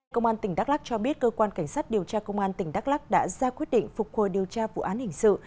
công an tỉnh đắk lắc cho biết cơ quan cảnh sát điều tra công an tỉnh đắk lắc đã ra quyết định phục hồi điều tra vụ án hình sự